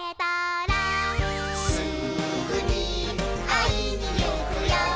「すぐにあいにいくよ」